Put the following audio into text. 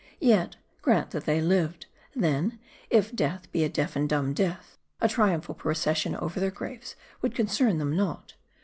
Yet, grant that they lived ; then, if death be a deaf and dumb death, a triumphal procession over their graves would" concern them not.